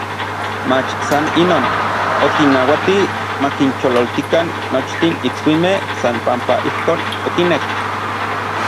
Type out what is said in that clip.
mach san inon, okinnauati makinchololtikan nochtin itskuimej san panpa ijkon okinek.